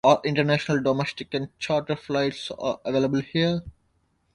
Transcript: All international, domestic and chartered flights are available here.